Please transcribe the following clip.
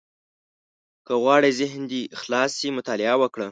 • که غواړې ذهن دې خلاص شي، مطالعه وکړه.